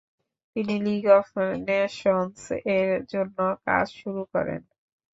তিনি League of নেশনস-এর জন্য কাজ শুরু করেন।